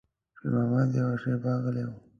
شېرمحمد يوه شېبه غلی و.